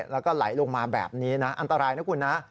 แล้วก็ไหลลงมาแบบนี้นะอันตรายนะคุณนะ